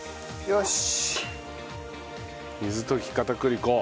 よし。